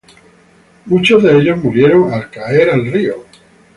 Muchos de ellos murieron al caer al río.